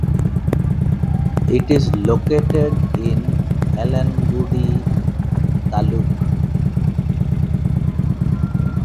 It is located in Alangudi taluk.